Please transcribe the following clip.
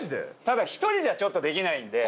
ただ１人じゃちょっとできないんで。